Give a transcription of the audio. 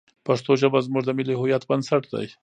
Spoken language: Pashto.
پښتو ژبه زموږ د ملي هویت بنسټ دی.